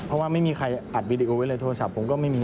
เพราะว่าไม่มีใครอัดวีดีโอไว้เลยโทรศัพท์ผมก็ไม่มี